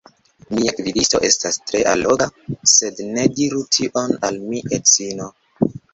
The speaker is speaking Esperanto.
Mia gvidisto estas tre alloga sed ne diru tion al mia edzino!